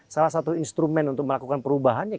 salah satu instrumen untuk melakukan perubahan itu adalah